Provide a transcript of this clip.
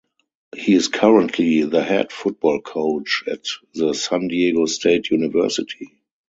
He is currently the head football coach at the San Diego State University.